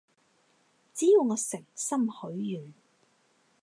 只要我誠心許願